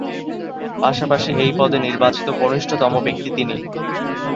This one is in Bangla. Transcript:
পাশাপাশি এই পদে নির্বাচিত কনিষ্ঠতম ব্যক্তি তিনি।